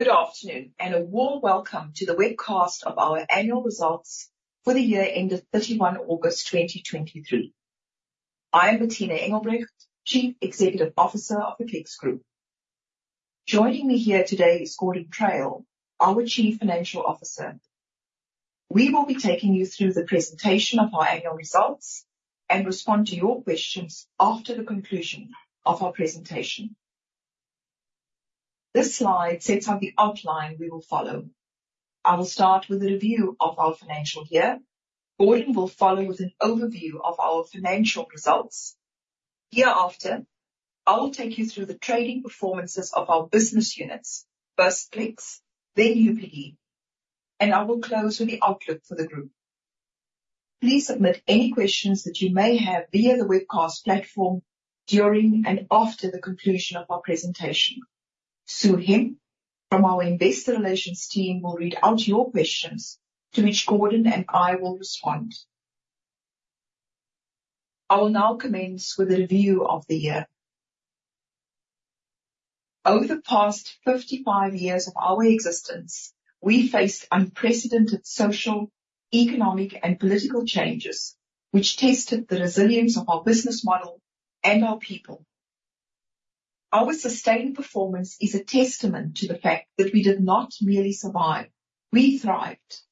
Good afternoon, and a warm welcome to the webcast of our annual results for the year ended 31 August 2023. I am Bertina Engelbrecht, Chief Executive Officer of the Clicks Group. Joining me here today is Gordon Traill, our Chief Financial Officer. We will be taking you through the presentation of our annual results and respond to your questions after the conclusion of our presentation. This slide sets out the outline we will follow. I will start with a review of our financial year. Gordon will follow with an overview of our financial results. Hereafter, I will take you through the trading performances of our business units, first Clicks, then UPD, and I will close with the outlook for the group. Please submit any questions that you may have via the webcast platform during and after the conclusion of our presentation. Sue Hemp, from our Investor Relations team, will read out your questions, to which Gordon and I will respond. I will now commence with a review of the year. Over the past 55 years of our existence, we faced unprecedented social, economic, and political changes, which tested the resilience of our business model and our people. Our sustained performance is a testament to the fact that we did not merely survive, we thrived.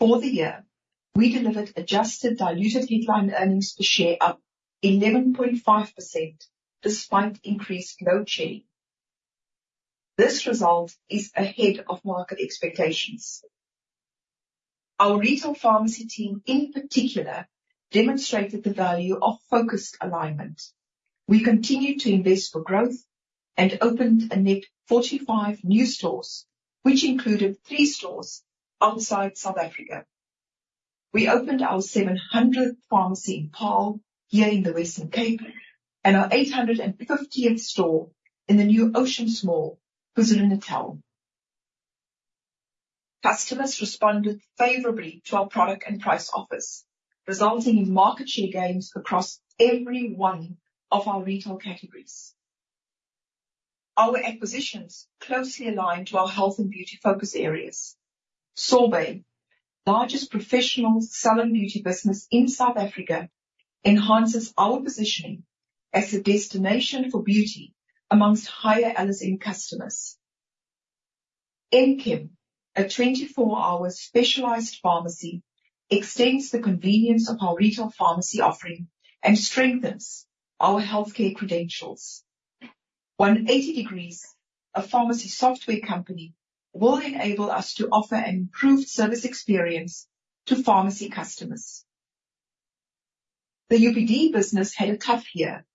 For the year, we delivered adjusted diluted headline earnings per share up 11.5% despite increased load shedding. This result is ahead of market expectations. Our retail pharmacy team, in particular, demonstrated the value of focused alignment. We continued to invest for growth and opened a net 45 new stores, which included 3 stores outside South Africa. We opened our 700th pharmacy in Paarl, here in the Western Cape, and our 850th store in the new Oceans Mall, KwaZulu-Natal. Customers responded favorably to our product and price offers, resulting in market share gains across every one of our retail categories. Our acquisitions closely align to our health and beauty focus areas. Sorbet, largest professional salon beauty business in South Africa, enhances our positioning as a destination for beauty amongst higher LSM customers. M-Kem, a 24-hour specialized pharmacy, extends the convenience of our retail pharmacy offering and strengthens our healthcare credentials. 180 Degrees a pharmacy software company, will enable us to offer an improved service experience to pharmacy customers. The UPD business had a tough year,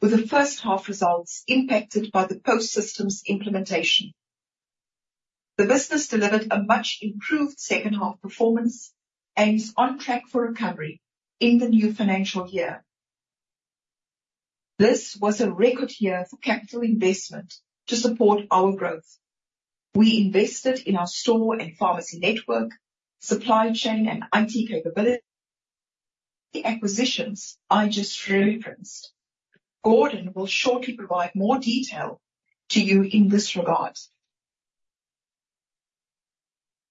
with the first half results impacted by the post systems implementation. The business delivered a much improved second half performance and is on track for recovery in the new financial year. This was a record year for capital investment to support our growth. We invested in our store and pharmacy network, supply chain, and IT capability. The acquisitions I just referenced. Gordon will shortly provide more detail to you in this regard.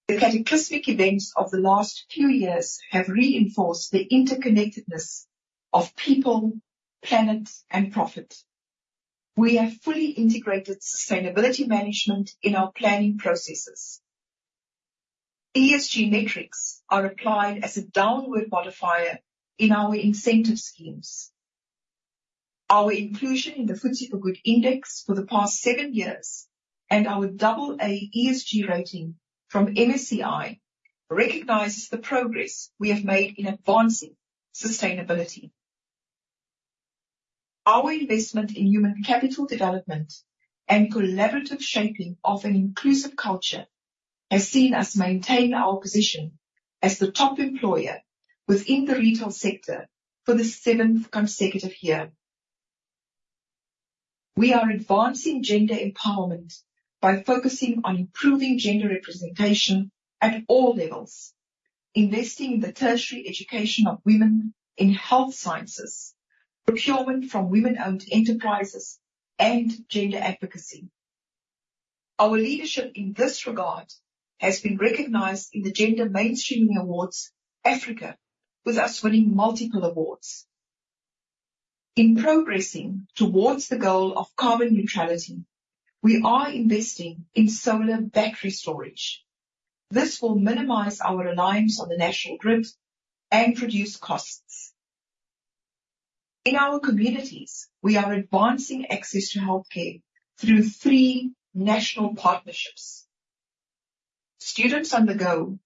The cataclysmic events of the last few years have reinforced the interconnectedness of people, planet, and profit. We have fully integrated sustainability management in our planning processes. ESG metrics are applied as a downward modifier in our incentive schemes. Our inclusion in the FTSE4Good Index for the past seven years, and our double A ESG rating from MSCI recognizes the progress we have made in advancing sustainability. Our investment in human capital development and collaborative shaping of an inclusive culture has seen us maintain our position as the top employer within the retail sector for the seventh consecutive year. We are advancing gender empowerment by focusing on improving gender representation at all levels, investing in the tertiary education of women in health sciences, procurement from women-owned enterprises, and gender advocacy. Our leadership in this regard has been recognized in the Gender Mainstreaming Awards, Africa, with us winning multiple awards. In progressing towards the goal of carbon neutrality, we are investing in solar battery storage. This will minimize our reliance on the national grid and reduce costs. In our communities, we are advancing access to healthcare through three national partnerships. Students on the Go,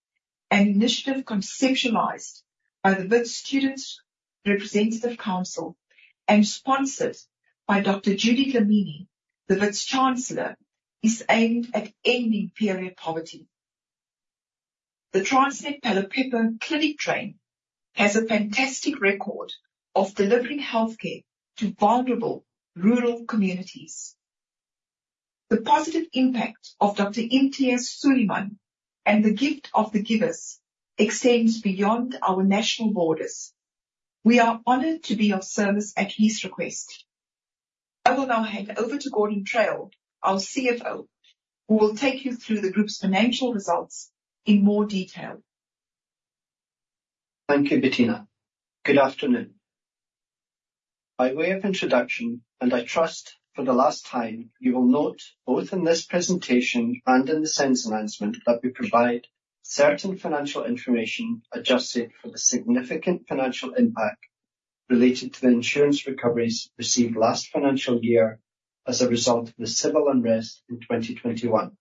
an initiative conceptualized by the Wits Students Representative Council and sponsored by Dr. Judy Dlamini, the Wits Chancellor, is aimed at ending period poverty. The Transnet Phelophepa Clinic Train has a fantastic record of delivering healthcare to vulnerable rural communities. The positive impact of Dr Imtiaz Sooliman and the Gift of the Givers extends beyond our national borders. We are honored to be of service at his request. I will now hand over to Gordon Traill, our CFO, who will take you through the group's financial results in more detail. Thank you, Bertina. Good afternoon. By way of introduction, and I trust for the last time, you will note both in this presentation and in the SENS announcement, that we provide certain financial information adjusted for the significant financial impact related to the insurance recoveries received last financial year as a result of the civil unrest in 2021.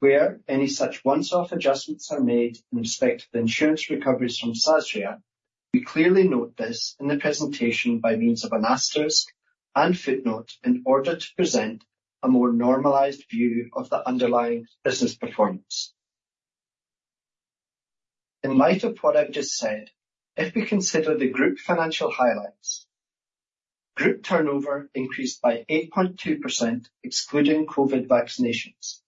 Where any such once-off adjustments are made in respect of the insurance recoveries from Sasria, we clearly note this in the presentation by means of an asterisk and footnote in order to present a more normalized view of the underlying business performance. In light of what I've just said, if we consider the group financial highlights, group turnover increased by 8.2%, excluding COVID vaccinations.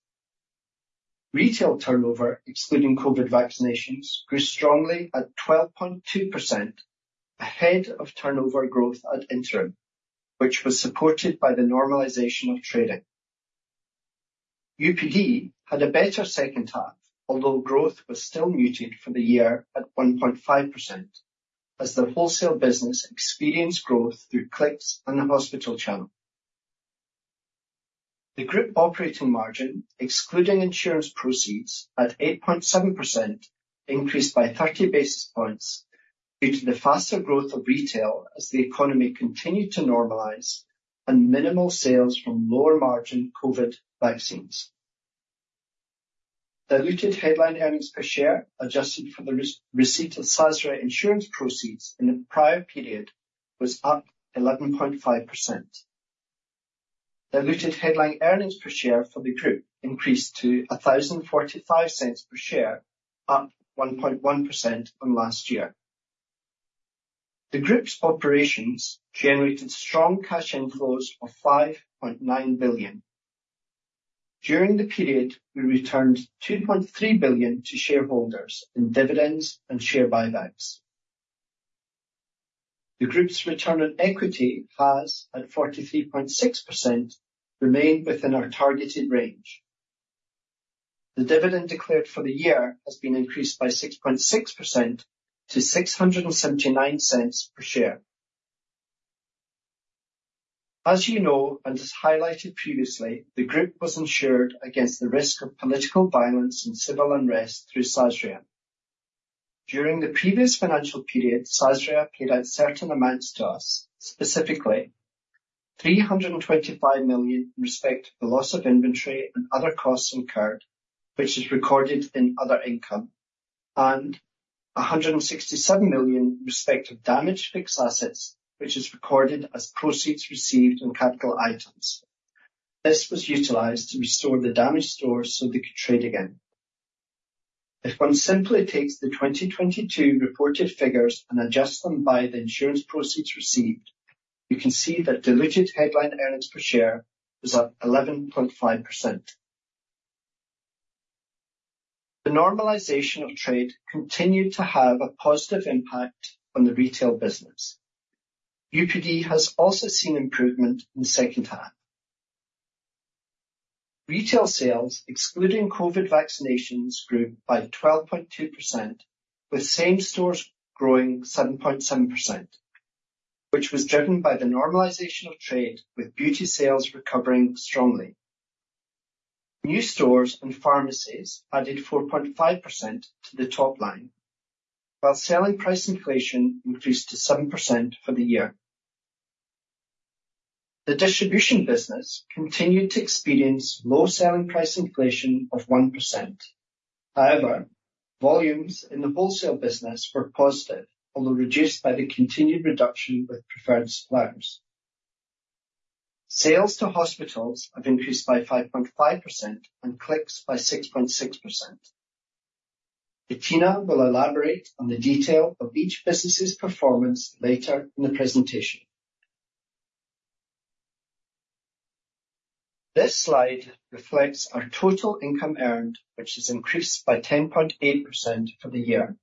Retail turnover, excluding COVID vaccinations, grew strongly at 12.2%, ahead of turnover growth at Interim, which was supported by the normalization of trading. UPD had a better second half, although growth was still muted for the year at 1.5%, as the wholesale business experienced growth through Clicks and the hospital channel. The group operating margin, excluding insurance proceeds, at 8.7%, increased by 30 basis points due to the faster growth of retail as the economy continued to normalize and minimal sales from lower margin COVID vaccines. The diluted headline earnings per share, adjusted for the re- receipt of Sasria insurance proceeds in the prior period, was up 11.5%. The diluted headline earnings per share for the group increased to 10.45 per share, up 1.1% from last year. The group's operations generated strong cash inflows of 5.9 billion. During the period, we returned 2.3 billion to shareholders in dividends and share buybacks. The group's return on equity has, at 43.6%, remained within our targeted range. The dividend declared for the year has been increased by 6.6% to 6.79 per share. As you know, and as highlighted previously, the group was insured against the risk of political violence and civil unrest through Sasria. During the previous financial period, Sasria paid out certain amounts to us, specifically 325 million in respect of the loss of inventory and other costs incurred, which is recorded in other income, and 167 million in respect of damaged fixed assets, which is recorded as proceeds received on capital items. This was utilized to restore the damaged stores so they could trade again. If one simply takes the 2022 reported figures and adjusts them by the insurance proceeds received, you can see that diluted headline earnings per share was up 11.5%. The normalization of trade continued to have a positive impact on the retail business. UPD has also seen improvement in the second half. Retail sales, excluding COVID vaccinations, grew by 12.2%, with same stores growing 7.7%, which was driven by the normalization of trade, with beauty sales recovering strongly. New stores and pharmacies added 4.5% to the top line, while selling price inflation increased to 7% for the year. The distribution business continued to experience low selling price inflation of 1%. However, volumes in the wholesale business were positive, although reduced by the continued reduction with preferred suppliers. Sales to hospitals have increased by 5.5% and Clicks by 6.6%. Bertina will elaborate on the detail of each business's performance later in the presentation. This slide reflects our total income earned, which has increased by 10.8% for the year.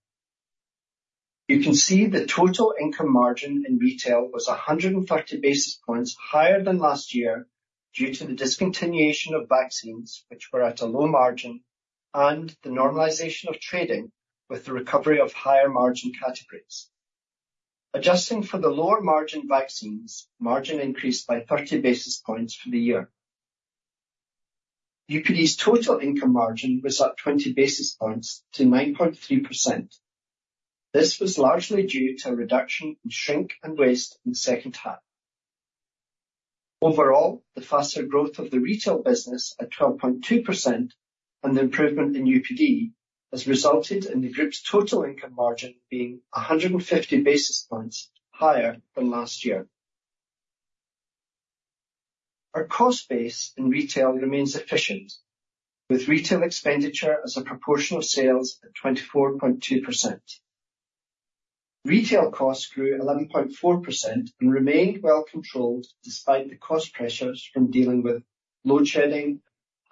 You can see the total income margin in retail was 130 basis points higher than last year due to the discontinuation of vaccines, which were at a low margin, and the normalization of trading with the recovery of higher margin categories. Adjusting for the lower margin vaccines, margin increased by 30 basis points for the year. UPD's total income margin was up 20 basis points to 9.3%. This was largely due to a reduction in shrink and waste in the second half. Overall, the faster growth of the retail business at 12.2% and the improvement in UPD has resulted in the group's total income margin being 150 basis points higher than last year. Our cost base in retail remains efficient, with retail expenditure as a proportion of sales at 24.2%. Retail costs grew 11.4% and remained well controlled, despite the cost pressures from dealing with load shedding,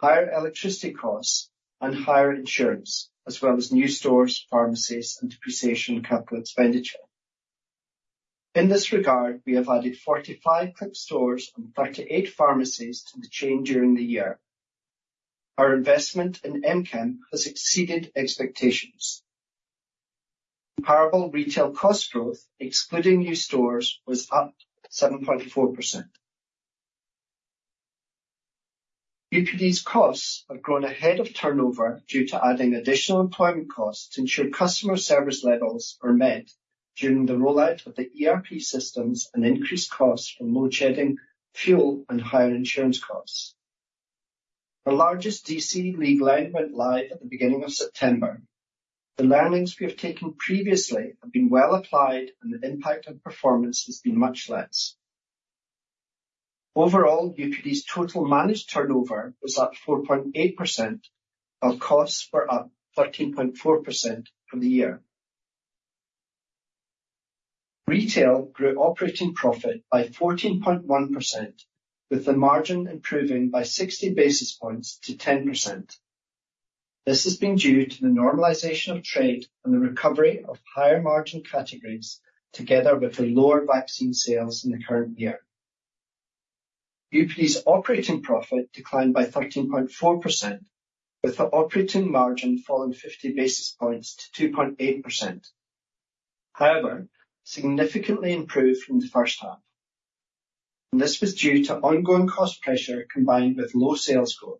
higher electricity costs and higher insurance, as well as new stores, pharmacies, and depreciation capital expenditure. In this regard, we have added 45 Clicks stores and 38 pharmacies to the chain during the year. Our investment in M-Kem has exceeded expectations. Comparable retail cost growth, excluding new stores, was up 7.4%. UPD's costs have grown ahead of turnover due to adding additional employment costs to ensure customer service levels are met during the rollout of the ERP systems and increased costs from load shedding, fuel, and higher insurance costs. Our largest DC, Lea Glen, went live at the beginning of September. The learnings we have taken previously have been well applied, and the impact on performance has been much less. Overall, UPD's total managed turnover was up 4.8%, while costs were up 13.4% from the year. Retail grew operating profit by 14.1%, with the margin improving by 60 basis points to 10%. This has been due to the normalization of trade and the recovery of higher margin categories, together with the lower vaccine sales in the current year. UPD's operating profit declined by 13.4%, with the operating margin falling 50 basis points to 2.8%. However, significantly improved from the first half, and this was due to ongoing cost pressure combined with low sales growth.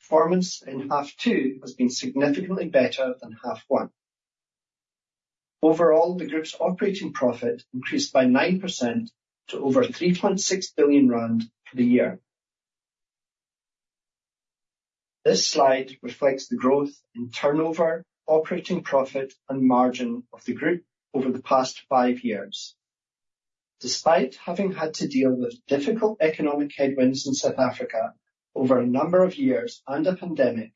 Performance in half two has been significantly better than half one. Overall, the group's operating profit increased by 9% to over 3.6 billion rand for the year. This slide reflects the growth in turnover, operating profit, and margin of the group over the past five years. Despite having had to deal with difficult economic headwinds in South Africa over a number of years and a pandemic,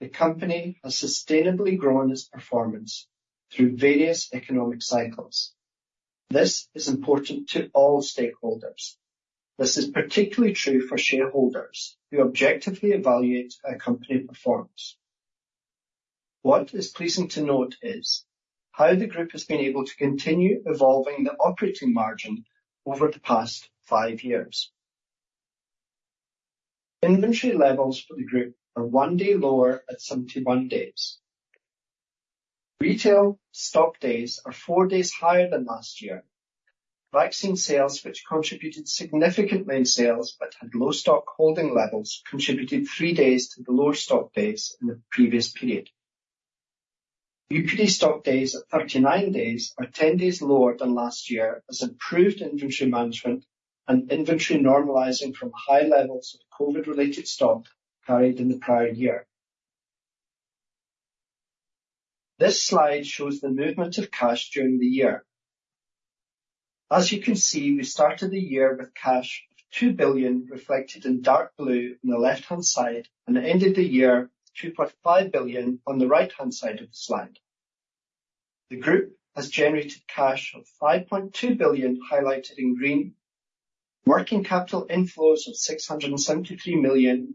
the company has sustainably grown its performance through various economic cycles. This is important to all stakeholders. This is particularly true for shareholders who objectively evaluate how a company performs. What is pleasing to note is how the group has been able to continue evolving the operating margin over the past five years. Inventory levels for the group are one day lower at 71 days. Retail stock days are four days higher than last year. Vaccine sales, which contributed significantly in sales but had low stock holding levels, contributed three days to the lower stock days in the previous period. UPD stock days at 39 days are 10 days lower than last year, as improved inventory management and inventory normalizing from high levels of COVID-related stock carried in the prior year. This slide shows the movement of cash during the year. As you can see, we started the year with cash of 2 billion, reflected in dark blue on the left-hand side, and ended the year with 2.5 billion on the right-hand side of the slide. The group has generated cash of 5.2 billion, highlighted in green, working capital inflows of 673 million,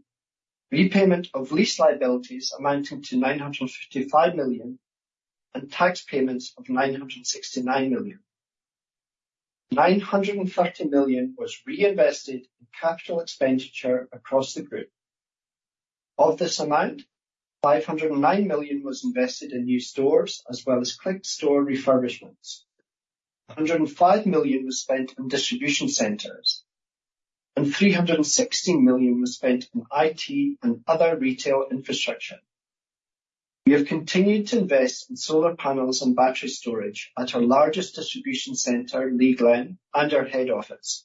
repayment of lease liabilities amounting to 955 million, and tax payments of 969 million. 930 million was reinvested in capital expenditure across the group. Of this amount, 509 million was invested in new stores, as well as Clicks store refurbishments. 105 million was spent on distribution centers, and 316 million was spent on IT and other retail infrastructure. We have continued to invest in solar panels and battery storage at our largest distribution center, Lea Glen, and our head office.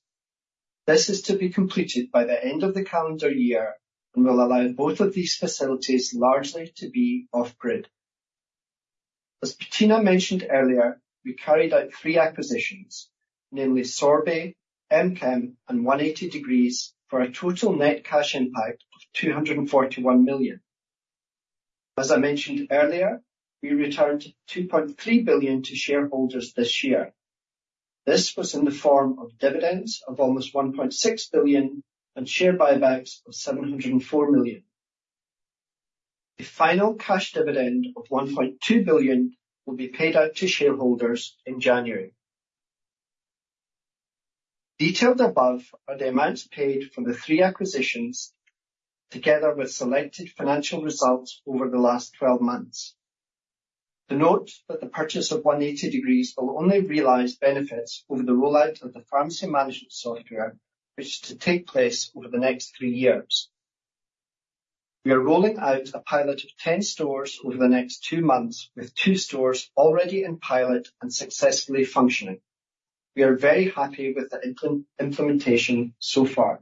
This is to be completed by the end of the calendar year and will allow both of these facilities largely to be off-grid. As Bertina mentioned earlier, we carried out three acquisitions, namely Sorbet, M-Kem, and 180 Degrees, for a total net cash impact of 241 million. As I mentioned earlier, we returned 2.3 billion to shareholders this year. This was in the form of dividends of almost 1.6 billion and share buybacks of 704 million. The final cash dividend of 1.2 billion will be paid out to shareholders in January. Detailed above are the amounts paid for the three acquisitions, together with selected financial results over the last 12 months. To note that the purchase of 180 Degrees will only realize benefits over the rollout of the pharmacy management software, which is to take place over the next 3 years. We are rolling out a pilot of 10 stores over the next two months, with two stores already in pilot and successfully functioning. We are very happy with the implementation so far.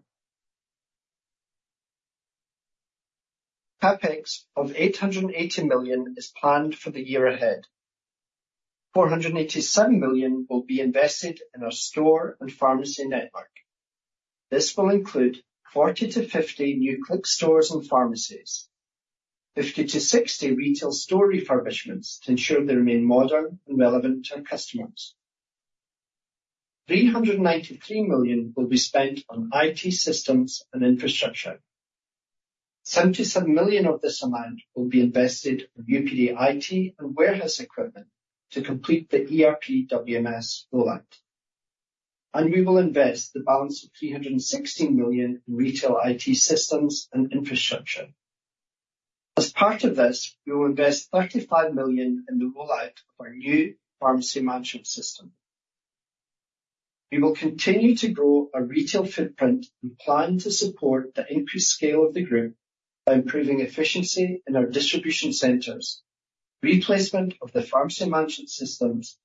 CapEx of 880 million is planned for the year ahead. 487 million will be invested in our store and pharmacy network. This will include 40-50 new Clicks stores and pharmacies, 50-60 retail store refurbishments to ensure they remain modern and relevant to our customers. 393 million will be spent on IT systems and infrastructure. 77 million of this amount will be invested in UPD IT and warehouse equipment to complete the ERP WMS rollout, and we will invest the balance of 316 million in retail IT systems and infrastructure. As part of this, we will invest 35 million in the rollout of our new pharmacy management system. We will continue to grow our retail footprint and plan to support the increased scale of the group by improving efficiency in our distribution centers, replacement of the pharmacy management systems,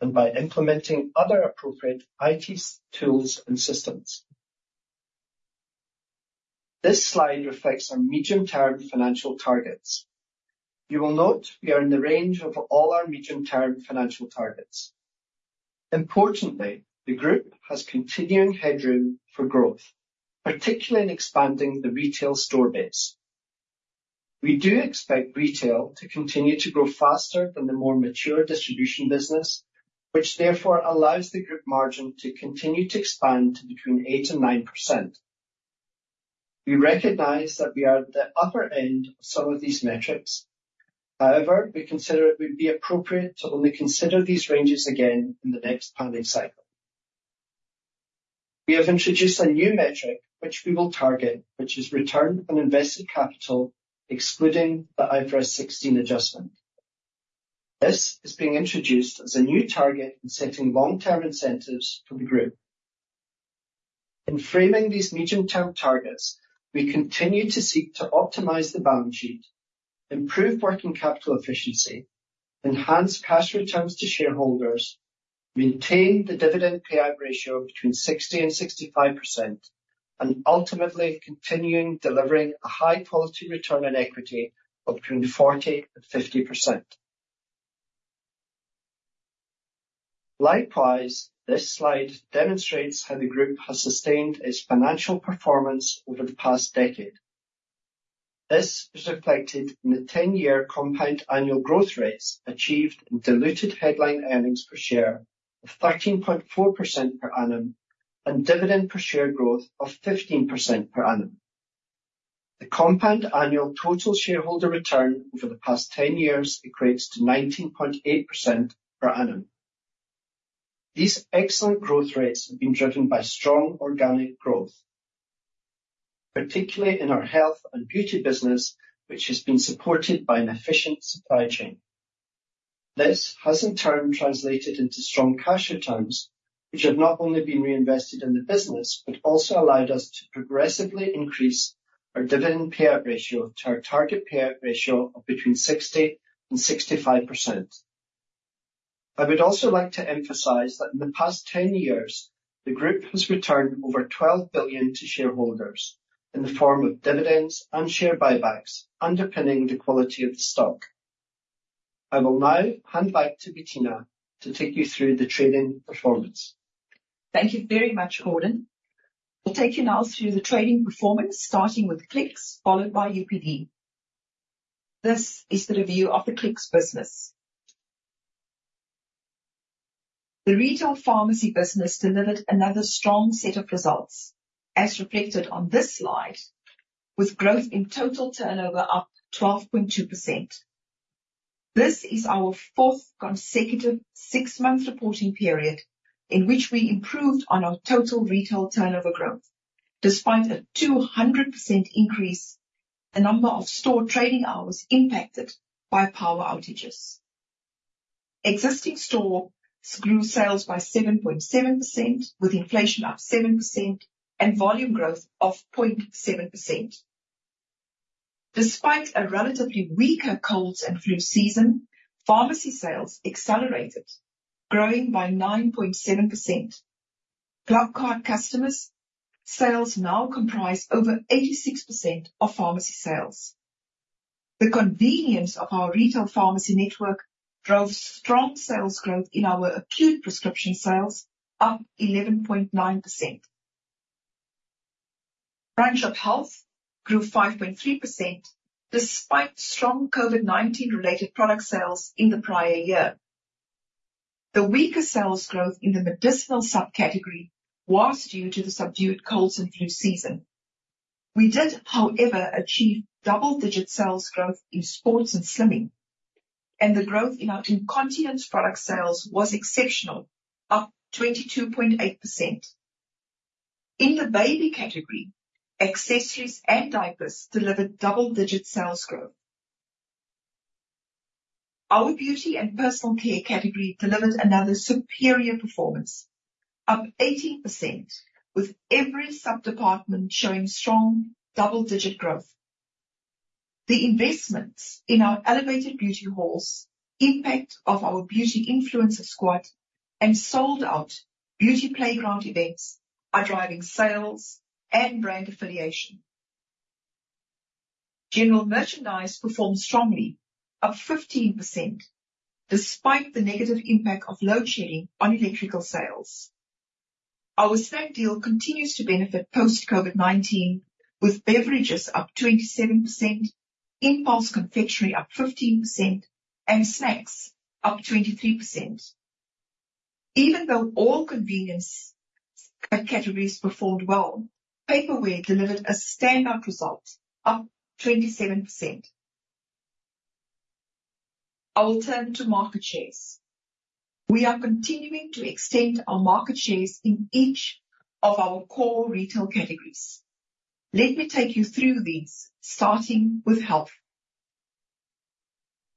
and by implementing other appropriate IT tools and systems. This slide reflects our medium-term financial targets. You will note we are in the range of all our medium-term financial targets. Importantly, the group has continuing headroom for growth, particularly in expanding the retail store base. We do expect retail to continue to grow faster than the more mature distribution business, which therefore allows the group margin to continue to expand to between 8% and 9%. We recognize that we are at the upper end of some of these metrics. However, we consider it would be appropriate to only consider these ranges again in the next planning cycle. We have introduced a new metric, which we will target, which is return on invested capital, excluding the IFRS 16 adjustment. This is being introduced as a new target in setting long-term incentives for the group. In framing these medium-term targets, we continue to seek to optimize the balance sheet, improve working capital efficiency, enhance cash returns to shareholders, maintain the dividend payout ratio between 60% and 65%, and ultimately continuing delivering a high-quality return on equity of between 40% and 50%. Likewise, this slide demonstrates how the group has sustained its financial performance over the past decade. This is reflected in the 10-year compound annual growth rates achieved in diluted headline earnings per share of 13.4% per annum and dividend per share growth of 15% per annum. The compound annual total shareholder return over the past 10 years equates to 19.8% per annum. These excellent growth rates have been driven by strong organic growth, particularly in our health and beauty business, which has been supported by an efficient supply chain. This has, in turn, translated into strong cash returns, which have not only been reinvested in the business, but also allowed us to progressively increase our dividend payout ratio to our target payout ratio of between 60% and 65%. I would also like to emphasize that in the past 10 years, the group has returned over 12 billion to shareholders in the form of dividends and share buybacks, underpinning the quality of the stock. I will now hand back to Bertina to take you through the trading performance. Thank you very much, Gordon. I'll take you now through the trading performance, starting with Clicks, followed by UPD. This is the review of the Clicks business. The retail pharmacy business delivered another strong set of results, as reflected on this slide, with growth in total turnover up 12.2%. This is our fourth consecutive six-month reporting period in which we improved on our total retail turnover growth, despite a 200% increase, the number of store trading hours impacted by power outages. Existing store grew sales by 7.7%, with inflation up 7% and volume growth of 0.7%. Despite a relatively weaker colds and flu season, pharmacy sales accelerated, growing by 9.7%. ClubCard customers sales now comprise over 86% of pharmacy sales. The convenience of our retail pharmacy network drove strong sales growth in our acute prescription sales, up 11.9%. Front shop health grew 5.3%, despite strong COVID-19 related product sales in the prior year. The weaker sales growth in the medicinal subcategory was due to the subdued colds and flu season. We did, however, achieve double-digit sales growth in sports and slimming, and the growth in our incontinence product sales was exceptional, up 22.8%. In the baby category, accessories and diapers delivered double-digit sales growth. Our beauty and personal care category delivered another superior performance, up 18%, with every sub-department showing strong double-digit growth. The investments in our elevated beauty halls, impact of our beauty influencer squad, and sold-out beauty playground events are driving sales and brand affiliation. General merchandise performed strongly, up 15%, despite the negative impact of load shedding on electrical sales. Our snack deal continues to benefit post COVID-19, with beverages up 27%, impulse confectionery up 15%, and snacks up 23%. Even though all convenience categories performed well, paperware delivered a standout result, up 27%. I will turn to market shares. We are continuing to extend our market shares in each of our core retail categories. Let me take you through these, starting with health.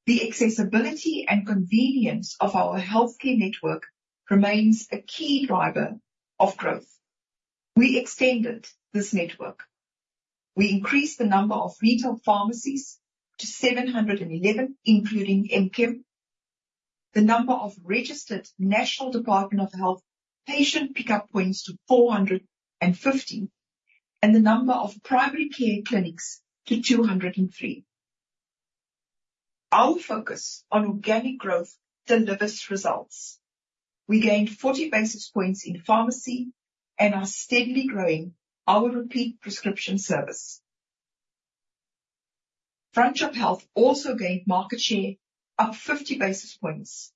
The accessibility and convenience of our healthcare network remains a key driver of growth. We extended this network. We increased the number of retail pharmacies to 711, including M-Kem, the number of registered National Department of Health patient pickup points to 450, and the number of primary care clinics to 203. Our focus on organic growth delivers results. We gained 40 basis points in pharmacy and are steadily growing our repeat prescription service. Frontshop Health also gained market share up 50 basis points,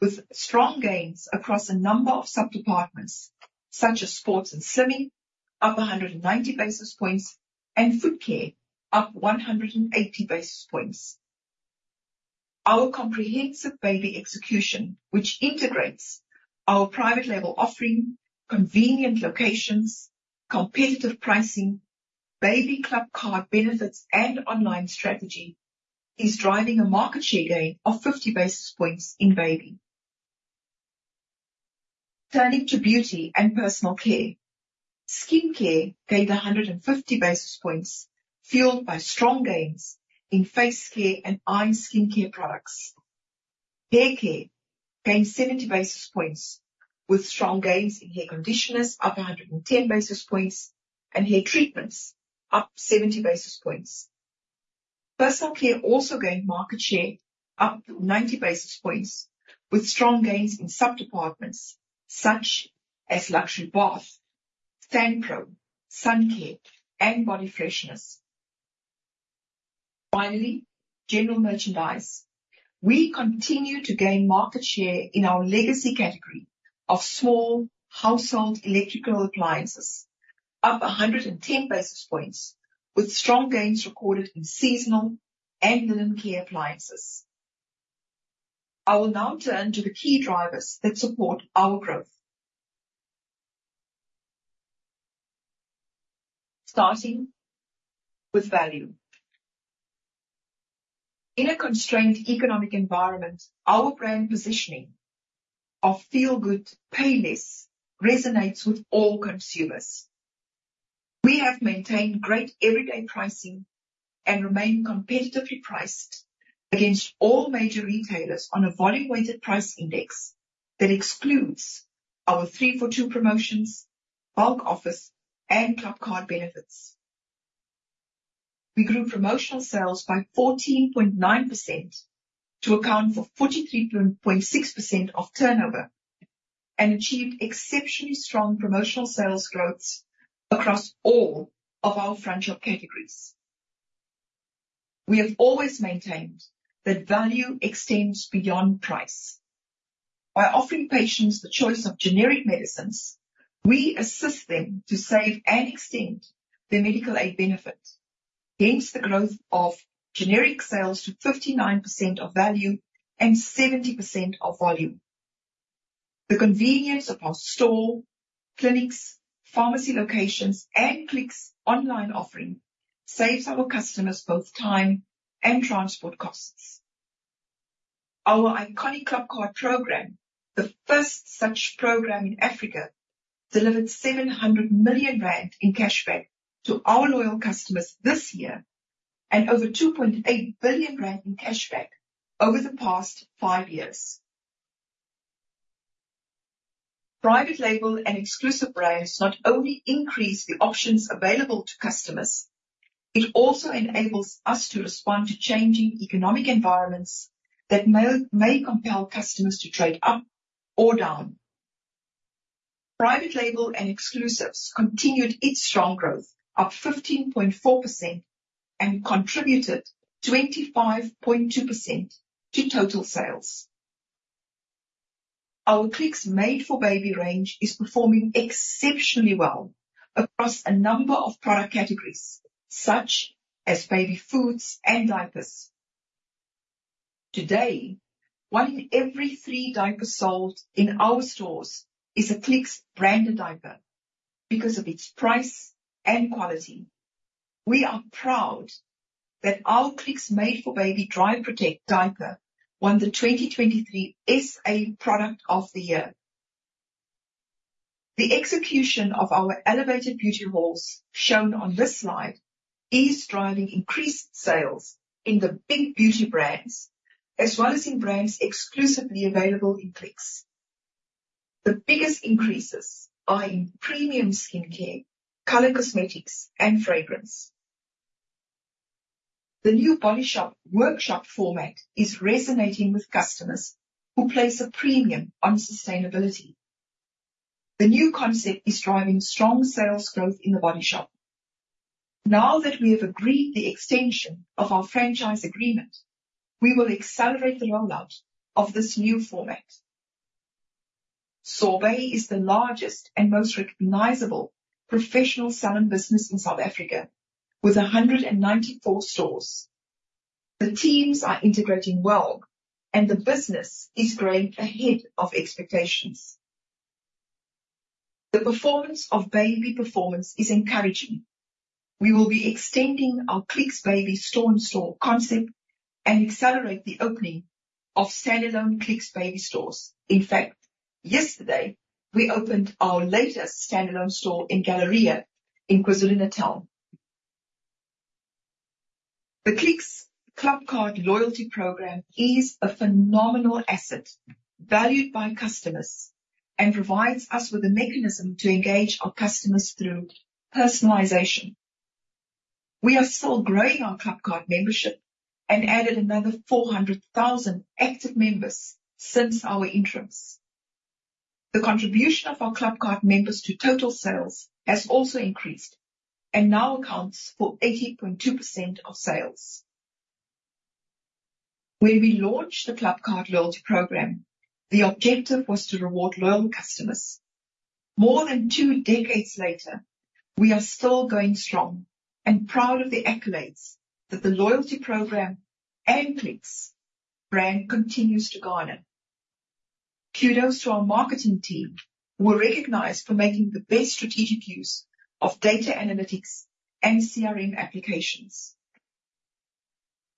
with strong gains across a number of subdepartments, such as sports and slimming, up 190 basis points, and foot care, up 180 basis points. Our comprehensive baby execution, which integrates our private label offering, convenient locations, competitive pricing, baby club card benefits, and online strategy, is driving a market share gain of 50 basis points in baby. Turning to beauty and personal care. Skincare gained 150 basis points, fueled by strong gains in face care and eye skincare products. Hair care gained 70 basis points, with strong gains in hair conditioners up 110 basis points and hair treatments up 70 basis points. Personal care also gained market share up to 90 basis points, with strong gains in subdepartments such as luxury bath, SunProtect, sun care, and body freshness. Finally, general merchandise. We continue to gain market share in our legacy category of small household electrical appliances, up 110 basis points, with strong gains recorded in seasonal and linen care appliances. I will now turn to the key drivers that support our growth. Starting with value. In a constrained economic environment, our brand positioning of feel good, pay less resonates with all consumers. We have maintained great everyday pricing and remain competitively priced against all major retailers on a volume-weighted price index that excludes our three-for-two promotions, bulk offers, and ClubCard benefits. We grew promotional sales by 14.9% to account for 43.6% of turnover, and achieved exceptionally strong promotional sales growths across all of our franchise categories. We have always maintained that value extends beyond price. By offering patients the choice of generic medicines, we assist them to save and extend their medical aid benefit, hence the growth of generic sales to 59% of value and 70% of volume. The convenience of our store, clinics, pharmacy locations, and Clicks online offering saves our customers both time and transport costs. Our iconic ClubCard program, the first such program in Africa, delivered 700 million rand in cashback to our loyal customers this year and over 2.8 billion rand in cashback over the past five years. Private label and exclusive brands not only increase the options available to customers, it also enables us to respond to changing economic environments that may compel customers to trade up or down. Private label and exclusives continued its strong growth, up 15.4%, and contributed 25.2% to total sales. Our Clicks Made 4 Baby range is performing exceptionally well across a number of product categories, such as baby foods and diapers. Today, one in every three diapers sold in our stores is a Clicks branded diaper because of its price and quality. We are proud that our Clicks Made 4 Baby DryProtect diaper won the 2023 SA Product of the Year. The execution of our elevated beauty halls, shown on this slide, is driving increased sales in the big beauty brands, as well as in brands exclusively available in Clicks. The biggest increases are in premium skincare, color cosmetics, and fragrance. The new Body Shop workshop format is resonating with customers who place a premium on sustainability. The new concept is driving strong sales growth in The Body Shop. Now that we have agreed the extension of our franchise agreement, we will accelerate the rollout of this new format. Sorbet is the largest and most recognizable professional salon business in South Africa, with 194 stores. The teams are integrating well, and the business is growing ahead of expectations. The performance of Baby format is encouraging. We will be extending our Clicks Baby store-in-store concept and accelerate the opening of standalone Clicks Baby stores. In fact, yesterday, we opened our latest standalone store in Galleria, in KwaZulu-Natal. The Clicks ClubCard loyalty program is a phenomenal asset, valued by customers, and provides us with a mechanism to engage our customers through personalization. We are still growing our ClubCard membership and added another 400,000 active members since our entrance. The contribution of our ClubCard members to total sales has also increased, and now accounts for 80.2% of sales. When we launched the ClubCard loyalty program, the objective was to reward loyal customers. More than two decades later, we are still going strong and proud of the accolades that the loyalty program and Clicks brand continues to garner. Kudos to our marketing team, who were recognized for making the best strategic use of data analytics and CRM applications.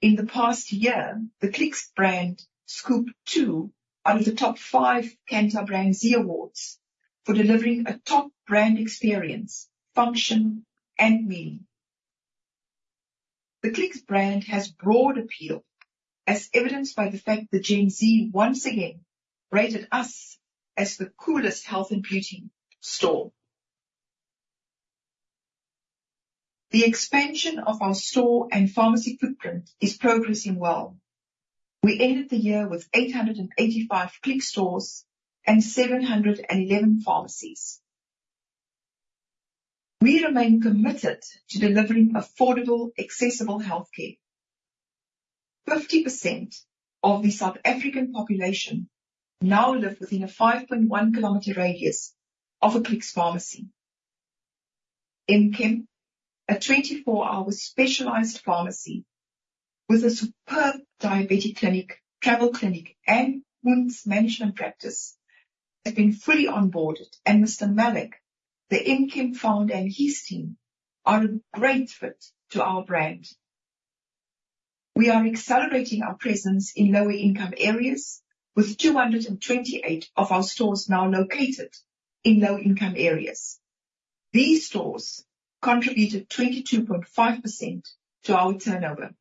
In the past year, the Clicks brand scooped two out of the top five Kantar BrandZ Awards for delivering a top brand experience, function, and meaning. The Clicks brand has broad appeal, as evidenced by the fact that Gen Z once again rated us as the coolest health and beauty store. The expansion of our store and pharmacy footprint is progressing well. We ended the year with 885 Clicks stores and 711 pharmacies. We remain committed to delivering affordable, accessible healthcare. 50% of the South African population now live within a 5.1-kilometer radius of a Clicks Pharmacy. M-Kem, a 24-hour specialized pharmacy with a superb diabetic clinic, travel clinic, and wound management practice, has been fully onboarded, and Mr. Mallach the M-Kem founder, and his team are a great fit to our brand. We are accelerating our presence in lower-income areas, with 228 of our stores now located in low-income areas. These stores contributed 22.5% to our turnover.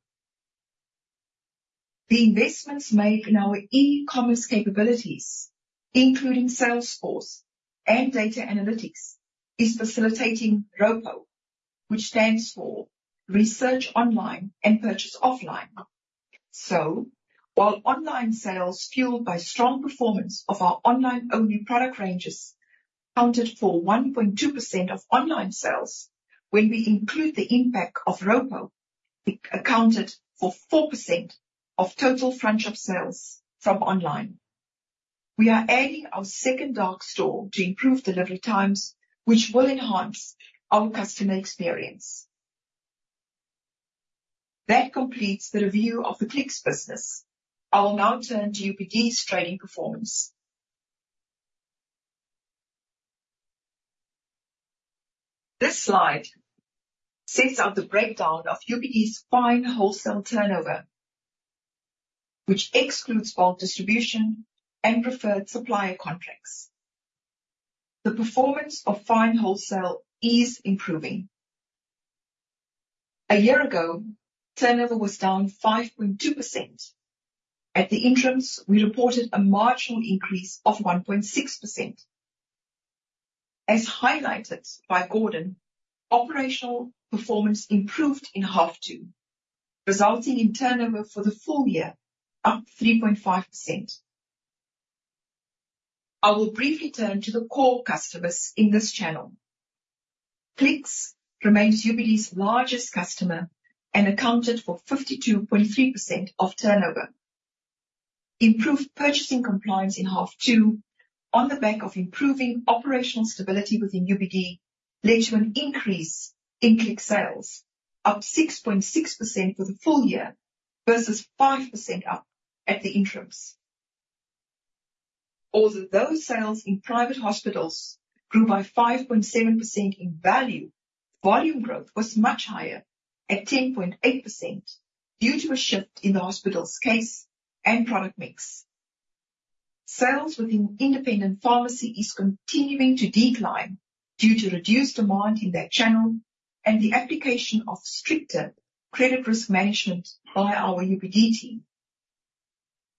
The investments made in our e-commerce capabilities, including Salesforce and data analytics, is facilitating ROPO, which stands for Research Online and Purchase Offline. So while online sales, fueled by strong performance of our online-only product ranges, accounted for 1.2% of online sales, when we include the impact of ROPO, it accounted for 4% of total front shop sales from online. We are adding our second dark store to improve delivery times, which will enhance our customer experience. That completes the review of the Clicks business. I will now turn to UPD's trading performance. This slide sets out the breakdown of UPD's fine wholesale turnover, which excludes bulk distribution and preferred supplier contracts. The performance of fine wholesale is improving. A year ago, turnover was down 5.2%. At the interim, we reported a marginal increase of 1.6%. As highlighted by Gordon, operational performance improved in half two, resulting in turnover for the full year, up 3.5%. I will briefly turn to the core customers in this channel. Clicks remains UPD's largest customer and accounted for 52.3% of turnover. Improved purchasing compliance in half two, on the back of improving operational stability within UPD, led to an increase in Clicks sales, up 6.6% for the full year, versus 5% up at the interim. Although those sales in private hospitals grew by 5.7% in value, volume growth was much higher at 10.8% due to a shift in the hospital's case and product mix. Sales within independent pharmacy is continuing to decline due to reduced demand in that channel and the application of stricter credit risk management by our UPD team.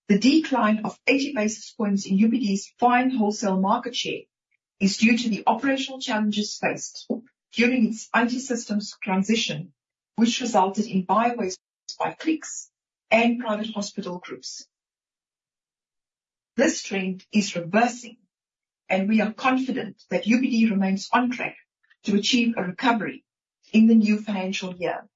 The decline of 80 basis points in UPD's fine wholesale market share is due to the operational challenges faced during its IT systems transition, which resulted in bypasses by Clicks and private hospital groups. This trend is reversing, and we are confident that UPD remains on track to achieve a recovery in the new financial year.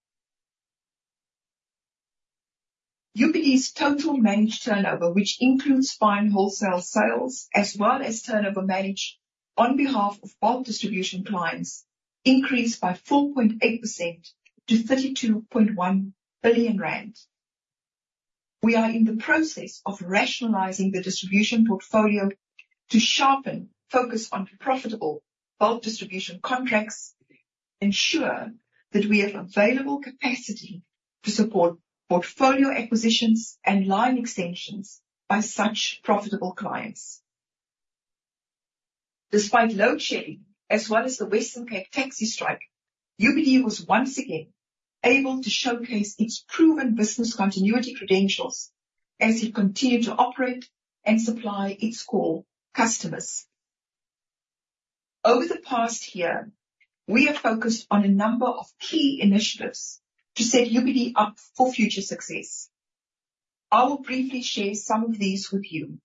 UPD's total managed turnover, which includes fine wholesale sales as well as turnover managed on behalf of bulk distribution clients, increased by 4.8% to 32.1 billion rand. We are in the process of rationalizing the distribution portfolio to sharpen focus on profitable bulk distribution contracts, ensure that we have available capacity to support portfolio acquisitions and line extensions by such profitable clients. Despite load shedding as well as the Western Cape taxi strike, UPD was once again able to showcase its proven business continuity credentials as it continued to operate and supply its core customers. Over the past year, we have focused on a number of key initiatives to set UPD up for future success. I will briefly share some of these with you.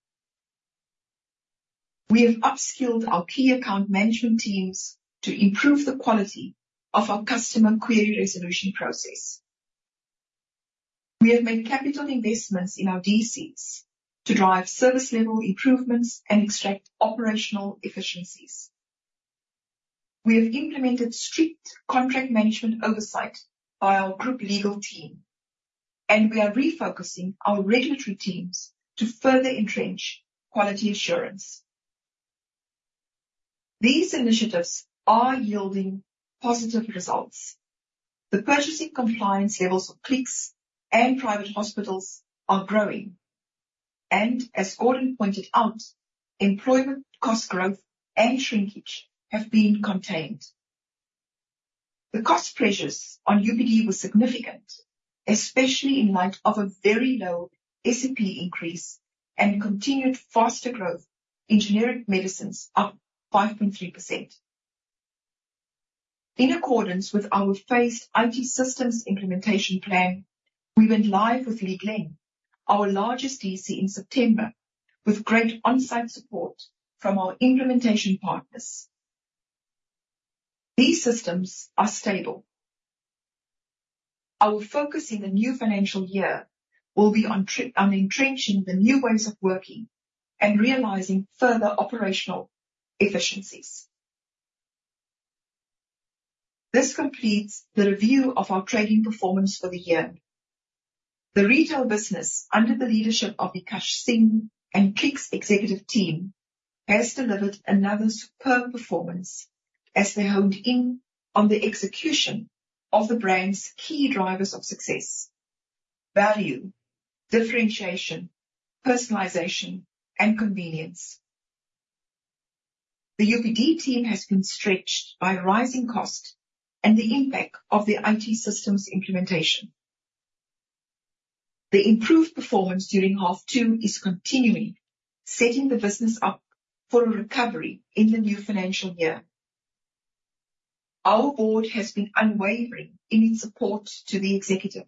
We have upskilled our key account management teams to improve the quality of our customer query resolution process. We have made capital investments in our DCs to drive service level improvements and extract operational efficiencies. We have implemented strict contract management oversight by our group legal team, and we are refocusing our regulatory teams to further entrench quality assurance. These initiatives are yielding positive results. The purchasing compliance levels of Clicks and private hospitals are growing, and as Gordon pointed out, employment cost growth and shrinkage have been contained. The cost pressures on UPD were significant, especially in light of a very low SEP increase and continued faster growth in generic medicines, up 5.3%. In accordance with our phased IT systems implementation plan, we went live with Lea Glen, our largest DC, in September, with great on-site support from our implementation partners. These systems are stable. Our focus in the new financial year will be on entrenching the new ways of working and realizing further operational efficiencies. This completes the review of our trading performance for the year. The retail business, under the leadership of Vikash Singh and Clicks' executive team, has delivered another superb performance as they honed in on the execution of the brand's key drivers of success: value, differentiation, personalization, and convenience. The UPD team has been stretched by rising cost and the impact of the IT systems implementation. The improved performance during half two is continuing, setting the business up for a recovery in the new financial year. Our board has been unwavering in its support to the executive,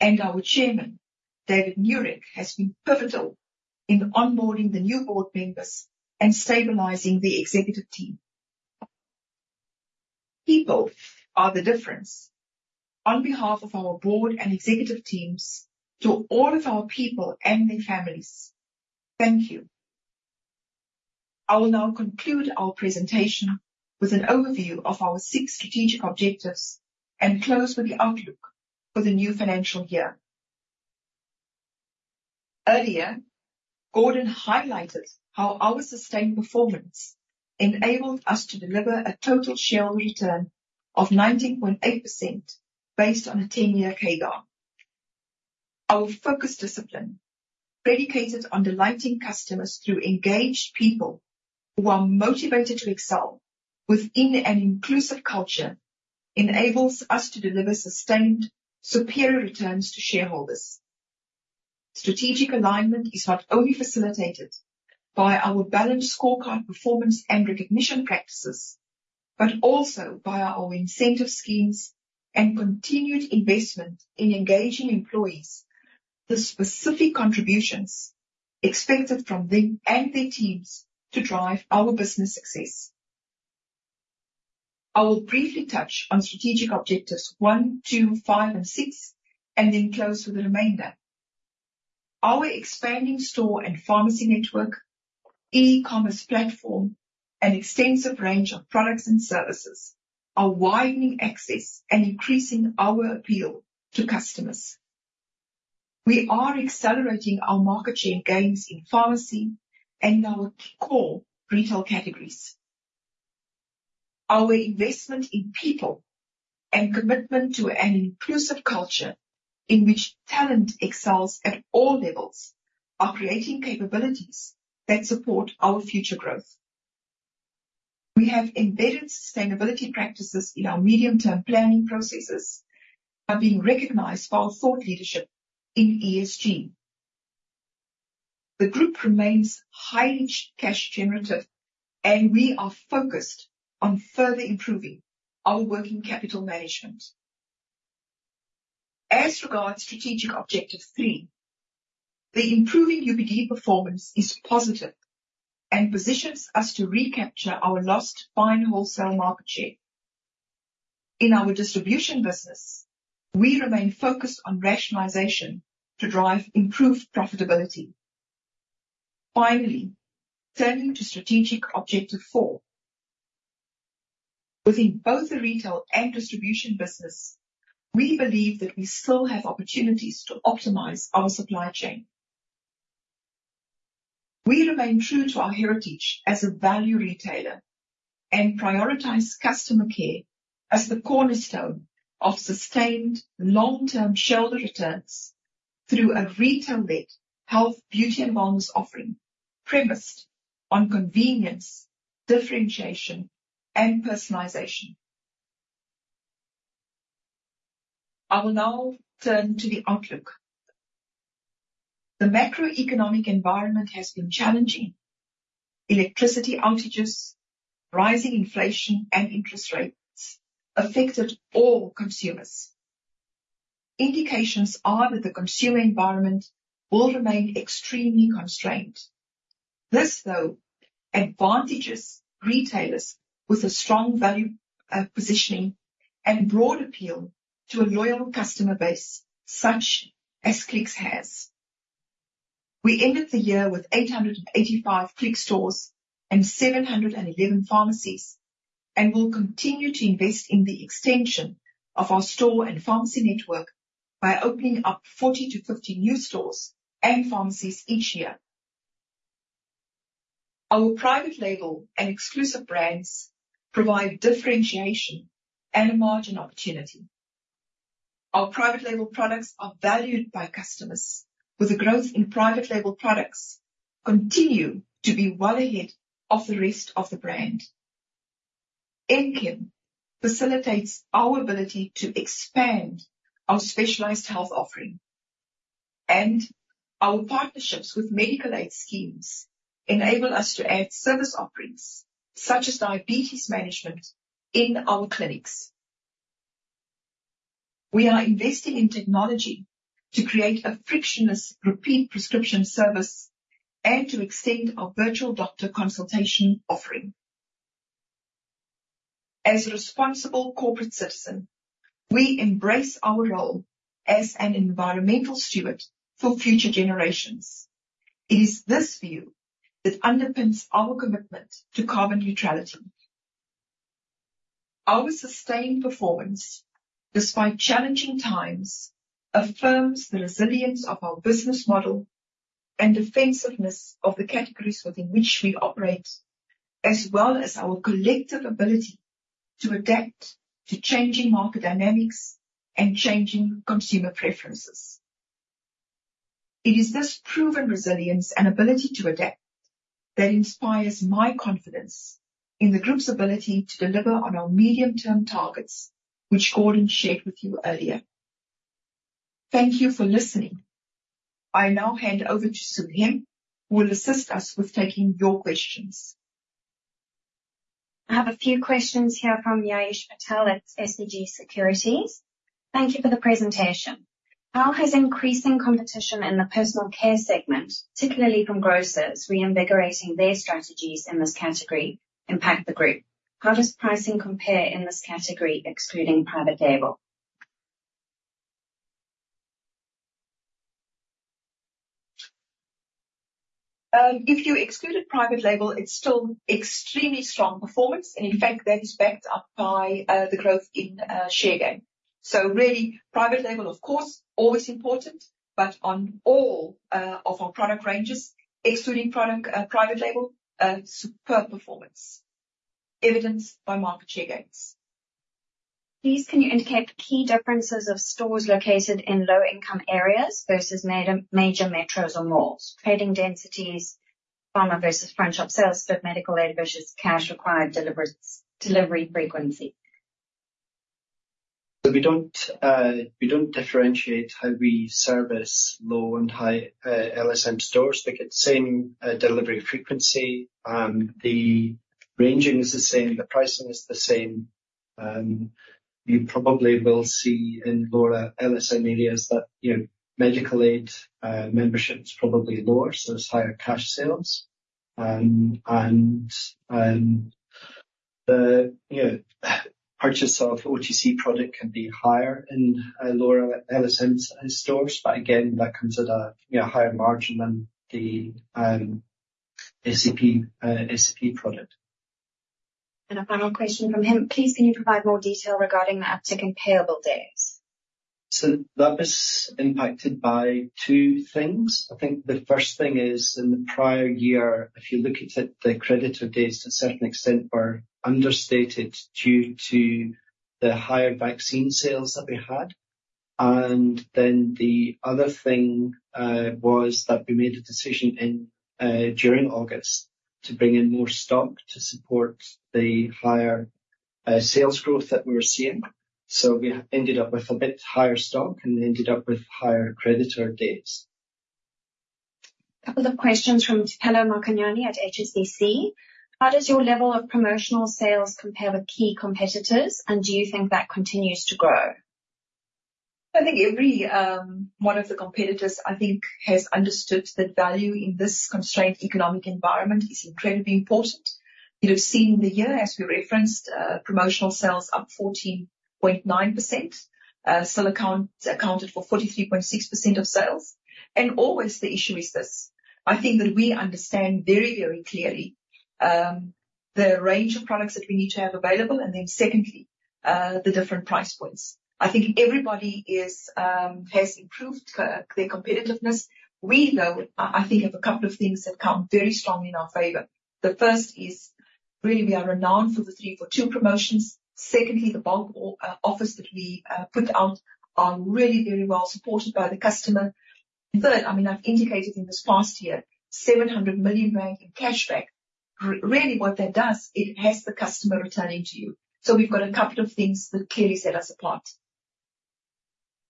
and our chairman, David Nurek, has been pivotal in onboarding the new board members and stabilizing the executive team. People are the difference. On behalf of our board and executive teams, to all of our people and their families, thank you. I will now conclude our presentation with an overview of our six strategic objectives and close with the outlook for the new financial year. Earlier, Gordon highlighted how our sustained performance enabled us to deliver a total share return of 19.8% based on a 10-year CAGR. Our focus discipline, dedicated on delighting customers through engaged people who are motivated to excel within an inclusive culture, enables us to deliver sustained, superior returns to shareholders. Strategic alignment is not only facilitated by our balanced scorecard performance and recognition practices, but also via our incentive schemes and continued investment in engaging employees, the specific contributions expected from them and their teams to drive our business success. I will briefly touch on strategic objectives 1, 2, 5, and 6, and then close with the remainder. Our expanding store and pharmacy network, e-commerce platform, and extensive range of products and services are widening access and increasing our appeal to customers. We are accelerating our market share gains in pharmacy and our core retail categories. Our investment in people and commitment to an inclusive culture in which talent excels at all levels are creating capabilities that support our future growth. We have embedded sustainability practices in our medium-term planning processes, and being recognized for our thought leadership in ESG. The group remains highly cash generative, and we are focused on further improving our working capital management. As regards strategic objective three, the improving UPD performance is positive and positions us to recapture our lost fine wholesale market share. In our distribution business, we remain focused on rationalization to drive improved profitability. Finally, turning to strategic objective four, within both the retail and distribution business, we believe that we still have opportunities to optimize our supply chain. We remain true to our heritage as a value retailer and prioritize customer care as the cornerstone of sustained long-term shareholder returns through a retail-led health, beauty, and wellness offering premised on convenience, differentiation, and personalization. I will now turn to the outlook. The macroeconomic environment has been challenging. Electricity outages, rising inflation, and interest rates affected all consumers. Indications are that the consumer environment will remain extremely constrained. This, though, advantages retailers with a strong value positioning and broad appeal to a loyal customer base, such as Clicks has. We ended the year with 885 Clicks stores and 711 pharmacies, and we'll continue to invest in the extension of our store and pharmacy network by opening up 40-50 new stores and pharmacies each year. Our private label and exclusive brands provide differentiation and a margin opportunity. Our private label products are valued by customers, with the growth in private label products continue to be well ahead of the rest of the brand. M-Kem facilitates our ability to expand our specialized health offering, and our partnerships with medical aid schemes enable us to add service offerings, such as diabetes management in our clinics. We are investing in technology to create a frictionless repeat prescription service and to extend our virtual doctor consultation offering. As a responsible corporate citizen, we embrace our role as an environmental steward for future generations. It is this view that underpins our commitment to carbon neutrality. Our sustained performance, despite challenging times, affirms the resilience of our business model and defensiveness of the categories within which we operate, as well as our collective ability to adapt to changing market dynamics and changing consumer preferences. It is this proven resilience and ability to adapt that inspires my confidence in the group's ability to deliver on our medium-term targets, which Gordon shared with you earlier. Thank you for listening. I now hand over to Sue Hemp, who will assist us with taking your questions. I have a few questions here from Jayesh Patel at SBG Securities. Thank you for the presentation. How has increasing competition in the personal care segment, particularly from grocers reinvigorating their strategies in this category, impact the group? How does pricing compare in this category, excluding private label? If you excluded private label, it's still extremely strong performance, and in fact, that is backed up by the growth in share gain. So really, private label, of course, always important, but on all of our product ranges, excluding product private label, a superb performance evidenced by market share gains. Please, can you indicate the key differences of stores located in low-income areas versus major, major metros or malls? Trading densities, pharma versus front shop sales, but medical aid versus cash required, delivery, delivery frequency. So we don't, we don't differentiate how we service low and high LSM stores. They get the same delivery frequency, the ranging is the same, the pricing is the same. You probably will see in lower LSM areas that, you know, medical aid membership is probably lower, so it's higher cash sales. And, the, you know, purchase of OTC product can be higher in lower LSM stores, but again, that comes at a, you know, higher margin than the SEP product. A final question from him: Please, can you provide more detail regarding the uptick in payable days? That was impacted by two things. I think the first thing is, in the prior year, if you look at it, the creditor days, to a certain extent, were understated due to the higher vaccine sales that we had.... Then the other thing was that we made a decision in during August to bring in more stock to support the higher sales growth that we were seeing. We ended up with a bit higher stock and ended up with higher creditor debts. A couple of questions from Thapelo Makhane at HSBC Securities. How does your level of promotional sales compare with key competitors, and do you think that continues to grow? I think every one of the competitors, I think, has understood that value in this constrained economic environment is incredibly important. You'd have seen in the year, as we referenced, promotional sales up 14.9%, still accounted for 43.6% of sales. Always the issue is this: I think that we understand very, very clearly the range of products that we need to have available, and then secondly, the different price points. I think everybody has improved their competitiveness. I think we have a couple of things that count very strongly in our favor. The first is, really, we are renowned for the three for two promotions. Secondly, the bulk offers that we put out are really very well supported by the customer. Third, I mean, I've indicated in this past year, 700 million rand in cashback. Really, what that does, it has the customer returning to you. So we've got a couple of things that clearly set us apart.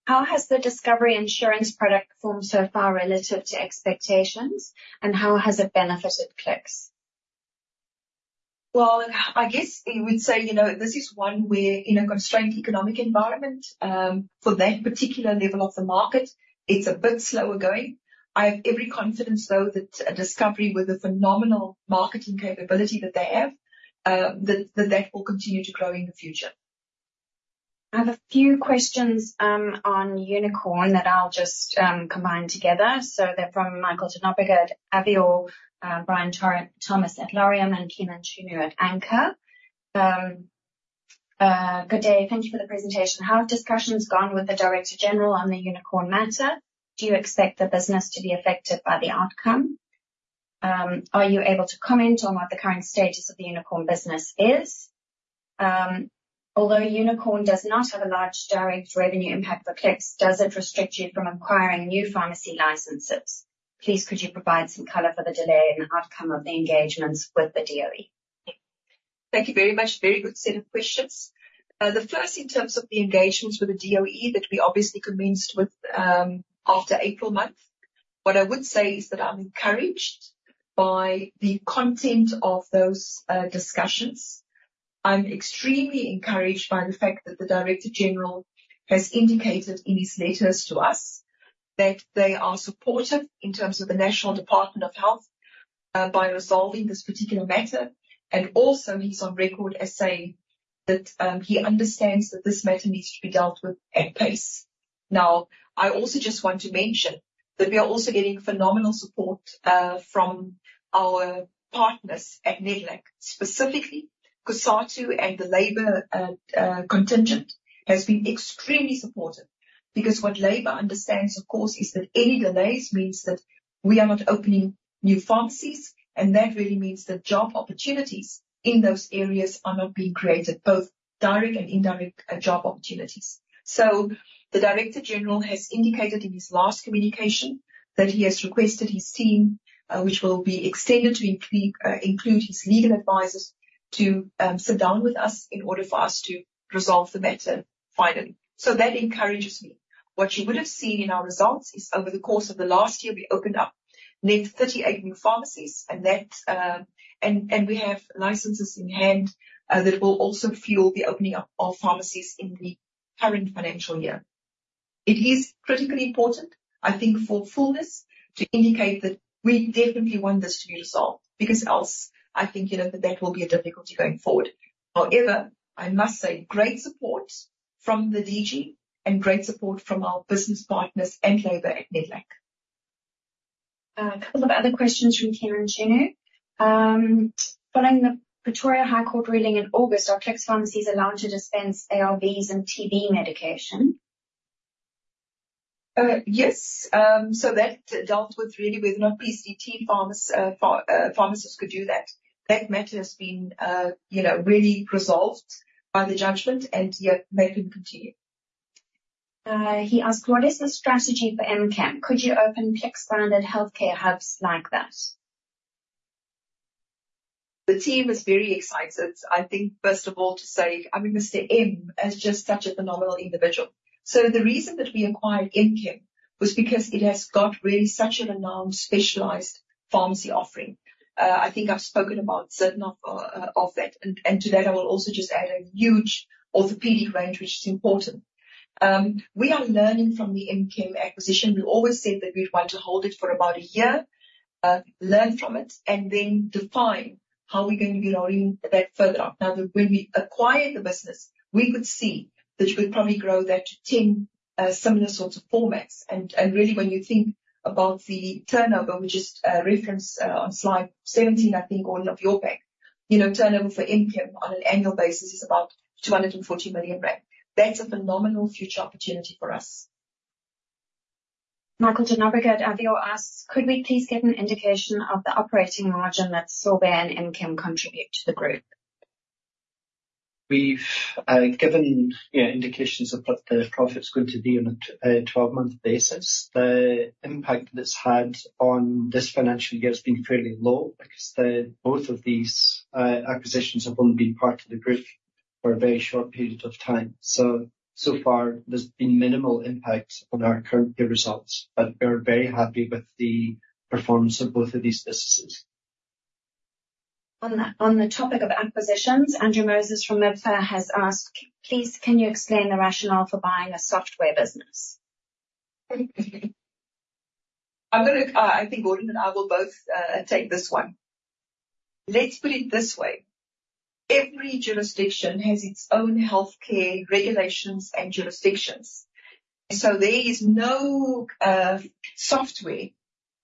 How has the Discovery Insurance product performed so far relative to expectations, and how has it benefited Clicks? Well, I guess we would say, you know, this is one where in a constrained economic environment, for that particular level of the market, it's a bit slower going. I have every confidence, though, that Discovery, with the phenomenal marketing capability that they have, that will continue to grow in the future. I have a few questions on Unicorn that I'll just combine together. So they're from Michael de Nobrega at Avior Capital Markets, Brian Thomas at Laurium, and Keanan Choonoo at Anchor. Good day. Thank you for the presentation. How have discussions gone with the director general on the Unicorn matter? Do you expect the business to be affected by the outcome? Are you able to comment on what the current status of the Unicorn business is? Although Unicorn does not have a large direct revenue impact for Clicks, does it restrict you from acquiring new pharmacy licenses? Please, could you provide some color for the delay and the outcome of the engagements with the DoH? Thank you very much. Very good set of questions. The first, in terms of the engagements with the DoH, that we obviously commenced with after April month. What I would say is that I'm encouraged by the content of those discussions. I'm extremely encouraged by the fact that the director general has indicated in his letters to us that they are supportive in terms of the National Department of Health by resolving this particular matter, and also he's on record as saying that he understands that this matter needs to be dealt with at pace. Now, I also just want to mention that we are also getting phenomenal support from our partners at Nedlac. Specifically, COSATU and the labor contingent has been extremely supportive because what labor understands, of course, is that any delays means that we are not opening new pharmacies, and that really means that job opportunities in those areas are not being created, both direct and indirect job opportunities. So the director general has indicated in his last communication that he has requested his team, which will be extended to include his legal advisors, to sit down with us in order for us to resolve the matter finally. So that encourages me. What you would have seen in our results is over the course of the last year, we opened up net 38 new pharmacies, and and we have licenses in hand that will also fuel the opening up of pharmacies in the current financial year. It is critically important, I think, for fullness, to indicate that we definitely want this to be resolved, because else, I think, you know, that that will be a difficulty going forward. However, I must say, great support from the DG and great support from our business partners and labor at Nedlac. A couple of other questions from Keanan Chunu. Following the Pretoria High Court ruling in August, are Clicks pharmacies allowed to dispense ARVs and TB medication? Yes. So that dealt with really with non-PCT pharmacists could do that. That matter has been, you know, really resolved by the judgment, and, yeah, they can continue. He asked: What is the strategy for M-Kem? Could you open Clicks-branded healthcare hubs like that? The team is very excited. I think, first of all, to say, I mean, Mr. M is just such a phenomenal individual. So the reason that we acquired M-Kem was because it has got really such a renowned specialized pharmacy offering. I think I've spoken about certain of, of that, and to that, I will also just add a huge orthopedic range, which is important. We are learning from the M-Kem acquisition. We always said that we'd want to hold it for about a year, learn from it, and then define how we're going to be rolling that further out. Now, when we acquired the business, we could see that you could probably grow that to 10, similar sorts of formats. Really, when you think about the turnover, which is referenced on slide 17, I think, Gordon... Michael de Nobrega at Avior Capital Markets asks, "Could we please get an indication of the operating margin that Sorbet and M-Kem contribute to the group? We've given yeah indications of what the profit's going to be on a twelve-month basis. The impact that it's had on this financial year has been fairly low because both of these acquisitions have only been part of the group for a very short period of time. So far, there's been minimal impacts on our current year results, but we're very happy with the performance of both of these businesses. On the topic of acquisitions, Andrew Moses from Metope Investment Managers has asked: "Please, can you explain the rationale for buying a software business? I'm gonna. I think Gordon and I will both take this one. Let's put it this way, every jurisdiction has its own healthcare regulations and jurisdictions. So there is no software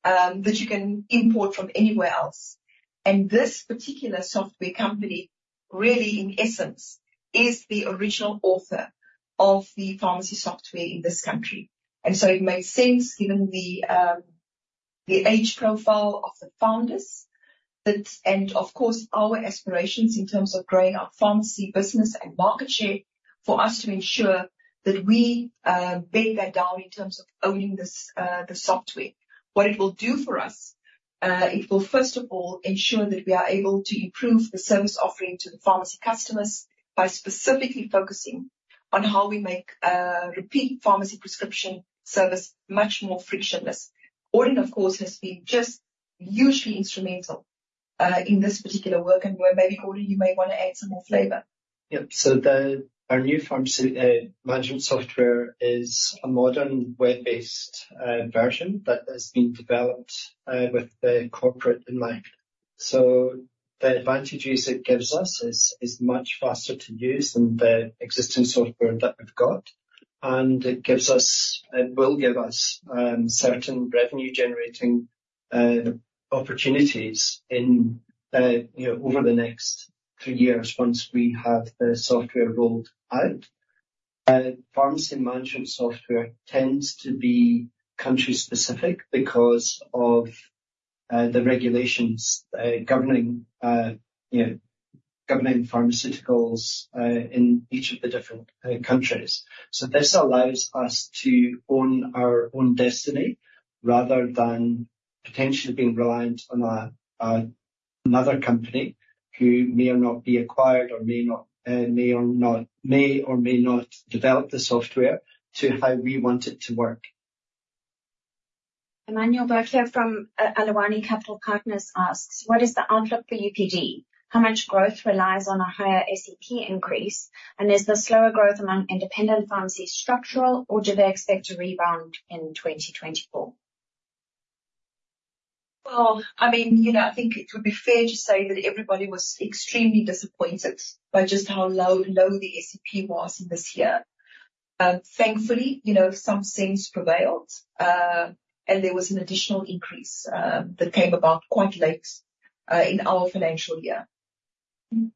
that you can import from anywhere else, and this particular software company, really, in essence, is the original author of the pharmacy software in this country. And so it made sense, given the age profile of the founders, that and, of course, our aspirations in terms of growing our pharmacy business and market share, for us to ensure that we bend that down in terms of owning the software. What it will do for us, it will, first of all, ensure that we are able to improve the service offering to the pharmacy customers by specifically focusing on how we make repeat pharmacy prescription service much more frictionless. Gordon, of course, has been just hugely instrumental in this particular work, and where maybe, Gordon, you may wanna add some more flavor. Yep. Our new pharmacy management software is a modern, web-based version that has been developed with the corporate in mind. The advantages it gives us is much faster to use than the existing software that we've got, and it gives us. It will give us certain revenue-generating opportunities in, you know, over the next three years once we have the software rolled out. Pharmacy management software tends to be country-specific because of the regulations governing, you know, governing pharmaceuticals in each of the different countries. This allows us to own our own destiny rather than potentially being reliant on a another company who may or may not be acquired or may or may not develop the software to how we want it to work. Immanuel Bukula from Aluwani Capital Partners asks: "What is the outlook for UPD? How much growth relies on a higher SEP increase, and is the slower growth among independent pharmacies structural, or do they expect to rebound in 2024? Well, I mean, you know, I think it would be fair to say that everybody was extremely disappointed by just how low, low the SEP was in this year. Thankfully, you know, some sense prevailed, and there was an additional increase that came about quite late in our financial year.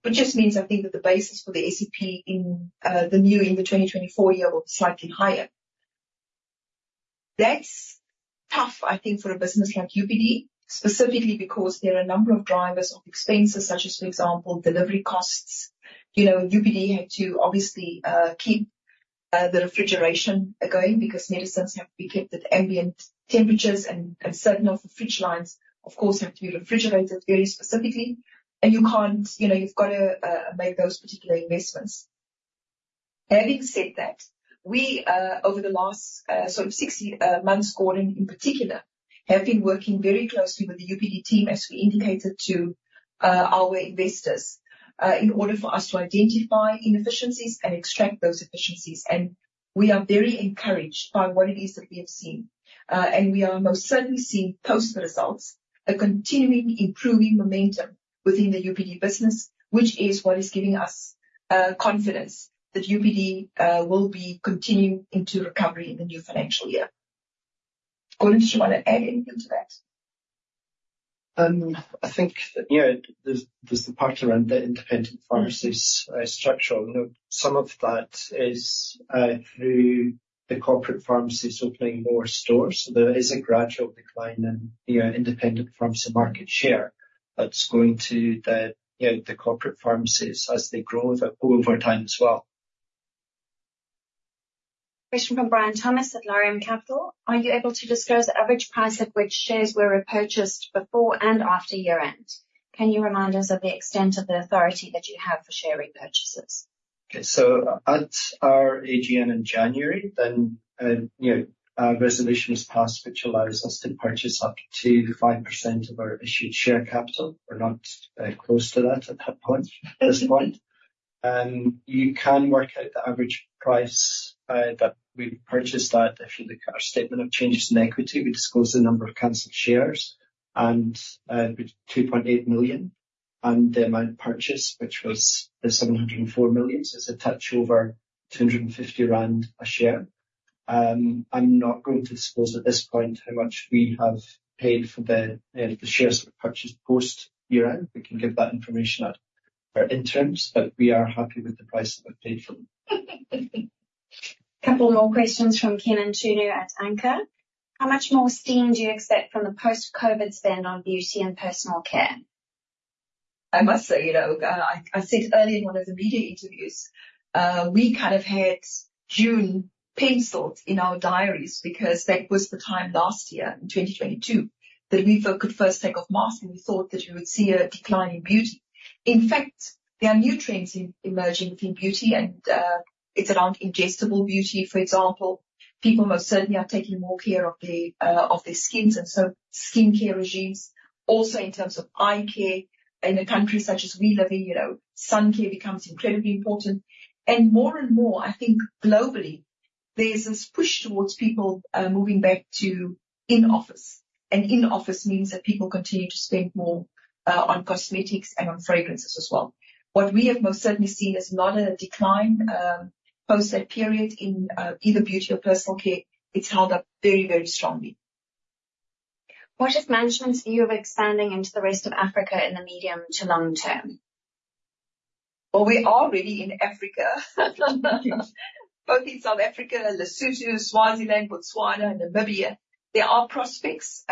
Which just means, I think, that the basis for the SEP in the new 2024 year will be slightly higher. That's tough, I think, for a business like UPD, specifically because there are a number of drivers of expenses such as, for example, delivery costs. You know, UPD had to obviously keep the refrigeration going because medicines have to be kept at ambient temperatures, and certain of the fridge lines, of course, have to be refrigerated very specifically, and you can't... You know, you've got to make those particular investments. Having said that, we over the last sort of 60 months, Gordon, in particular, have been working very closely with the UPD team, as we indicated to our investors in order for us to identify inefficiencies and extract those efficiencies, and we are very encouraged by what it is that we have seen. We are most certainly seeing post the results, a continuing improving momentum within the UPD business, which is what is giving us confidence that UPD will be continuing into recovery in the new financial year. Gordon, did you want to add anything to that? I think that, you know, there's, there's the part around the independent pharmacies, structural. You know, some of that is, through the corporate pharmacies opening more stores. So there is a gradual decline in, you know, independent pharmacy market share that's going to the, you know, the corporate pharmacies as they grow the- over time as well. Question from Brian Thomas at Laurium Capital: "Are you able to disclose the average price at which shares were repurchased before and after year-end? Can you remind us of the extent of the authority that you have for share repurchases? Okay. So at our AGM in January, then, you know, a resolution was passed which allows us to purchase up to 5% of our issued share capital. We're not close to that at that point, at this point. You can work out the average price that we purchased at. If you look at our statement of changes in equity, we disclose the number of cancelled shares, and it was 2.8 million, and the amount purchased, which was 704 million, so it's a touch over 250 rand a share. I'm not going to disclose at this point how much we have paid for the shares that were purchased post year-end. We can give that information at interim, but we are happy with the price that we paid for them. Couple more questions from Keagan Anstey at Anchor. How much more steam do you expect from the post-COVID spend on beauty and personal care? I must say, you know, I said earlier in one of the media interviews, we kind of had June penciled in our diaries because that was the time last year, in 2022, that we could first take off masks, and we thought that we would see a decline in beauty. In fact, there are new trends emerging within beauty and, it's around ingestible beauty, for example. People most certainly are taking more care of their, of their skins, and so skincare regimes. Also, in terms of eye care. In a country such as we live in, you know, sun care becomes incredibly important. And more and more, I think globally, there's this push towards people, moving back to in-office, and in-office means that people continue to spend more, on cosmetics and on fragrances as well. What we have most certainly seen is not a decline post that period in either beauty or personal care. It's held up very, very strongly. What is management's view of expanding into the rest of Africa in the medium to long term? Well, we are already in Africa, both in South Africa, Lesotho, Swaziland, Botswana, and Namibia. There are prospects.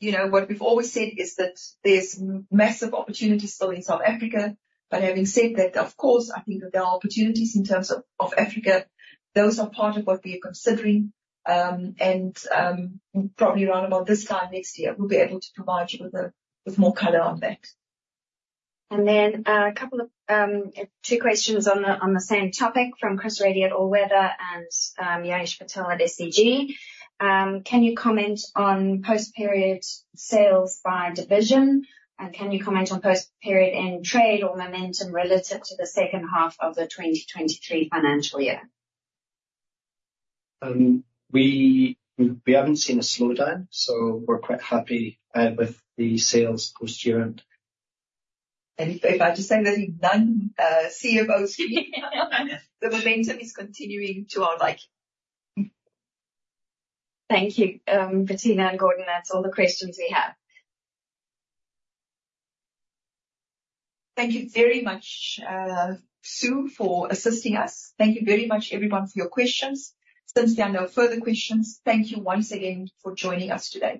You know, what we've always said is that there's massive opportunities still in South Africa, but having said that, of course, I think that there are opportunities in terms of, of Africa. Those are part of what we are considering, and, probably around about this time next year, we'll be able to provide you with, with more color on that. And then, a couple of two questions on the same topic from Chris Reddy at All Weather Capital and Danesh Patell at Kaizen Asset Management. Can you comment on post-period sales by division? And can you comment on post-period in trade or momentum relative to the second half of the 2023 financial year? We haven't seen a slowdown, so we're quite happy with the sales post-year-end. If I just say there's none, CFOs here, the momentum is continuing to our liking. Thank you, Bertina and Gordon. That's all the questions we have. Thank you very much, Sue, for assisting us. Thank you very much, everyone, for your questions. Since there are no further questions, thank you once again for joining us today.